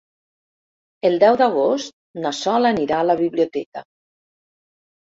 El deu d'agost na Sol anirà a la biblioteca.